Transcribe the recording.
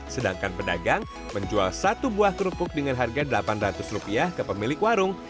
sedangkan pedagang menjual satu buah kerupuk dengan harga rp delapan ratus ke pemilik warung